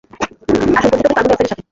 আসুন পরিচিত হই কার্বন ডাইঅক্সাইডের সাথে।